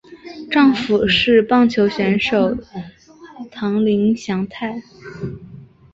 丈夫是棒球选手堂林翔太。